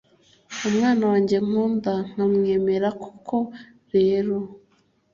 umwana wanjye nkunda nkamwemera koko rero